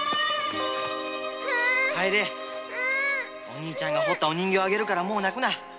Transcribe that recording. お兄ちゃんの彫ったお人形をあげるからもう泣くな。